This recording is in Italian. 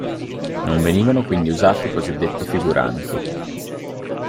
Non venivano quindi usati i cosiddetti figuranti.